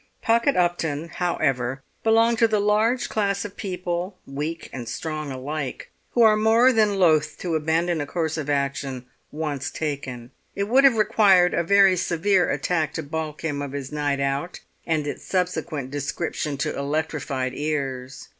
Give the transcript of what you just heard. Pocket Upton, however, belonged to the large class of people, weak and strong alike, who are more than loth to abandon a course of action once taken. It would have required a very severe attack to baulk him of his night out and its subsequent description to electrified ears.